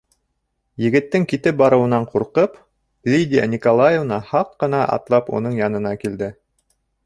Егеттең китеп барыуынан ҡурҡып, Лидия Николаевна һаҡ ҡына атлап уның янына килде: